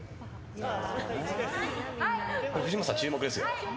藤本さん、注目ですよ。